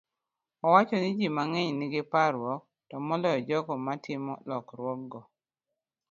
owacho ni ji mang'eny nigi parruok, to moloyo jogo matimo lokruokgo.